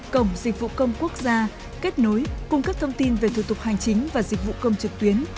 cổng dịch vụ công quốc gia kết nối cung cấp thông tin về thủ tục hành chính và dịch vụ công trực tuyến